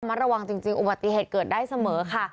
ระวังจริงอุบัติเหตุเกิดได้เสมอค่ะ